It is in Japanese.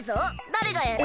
だれがやる？